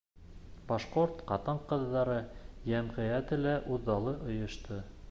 Башҡорт ҡатын-ҡыҙҙары йәмғиәте лә үҙаллы ойошто.